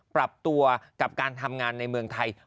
ปรับตัวกับการทำงานในเมืองไทย